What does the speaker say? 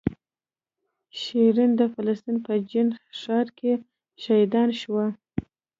شیرین د فلسطین په جنین ښار کې شهیدان شوه.